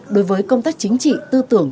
đối với công tác chính trị tư tưởng